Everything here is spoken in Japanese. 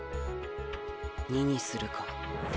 ２にするか。